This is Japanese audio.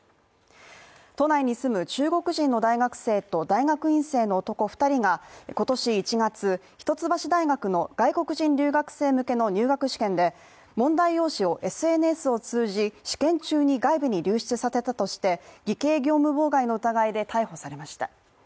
都内に住む中国人の大学生と大学院生の男２人が今年１月、一橋大学の外国人留学生向けの入学試験で問題用紙をＳＮＳを通じ試験中に外部に流出させたとして、偽計業務妨害の疑いで逮捕されました。